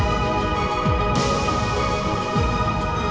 gak akan aku lepasin aku